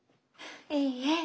いいえ。